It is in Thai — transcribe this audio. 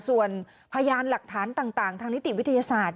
ส่วนพยานหลักฐานต่างทางนิติวิทยาศาสตร์